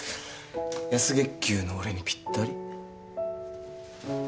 安月給の俺にぴったり。